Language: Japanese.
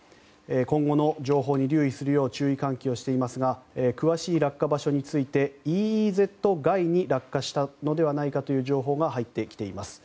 今後の情報に留意するよう注意喚起をしていますが詳しい落下場所についてＥＥＺ外に落下したのではないかという情報が入ってきています。